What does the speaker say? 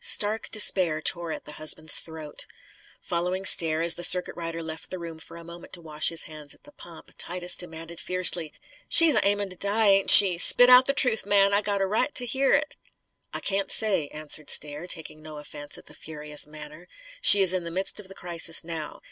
Stark despair tore at the husband's throat. Following Stair, as the circuit rider left the room for a moment to wash his hands at the pump, Titus demanded fiercely: "She's a aimin' to die, ain't she? Spit out the truth, man! I got a right to hear it!" "I can't say," answered Stair, taking no offence at the furious manner. "She is in the midst of the crisis now.